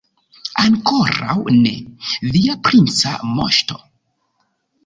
Ankoraŭ ne, via princa moŝto.